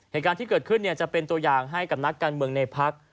เหตุการณ์ที่เกิดขึ้นจะเป็นตัวอย่างให้กับนักการเมืองในพัก